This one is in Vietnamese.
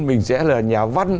mình sẽ là nhà văn